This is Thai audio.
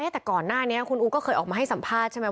แต่ก่อนหน้านี้คุณอู๋ก็เคยออกมาให้สัมภาษณ์ใช่ไหม